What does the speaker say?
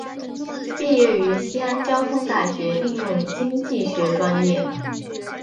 毕业于西安交通大学应用经济学专业。